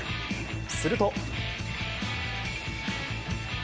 すると。